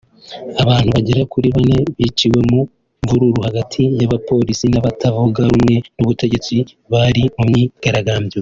Abantu bagera kuri bane biciwe mu mvururu hagati y’abapolisi n’abatavuga rumwe n’ubutegetsi bari mu myigaragambyo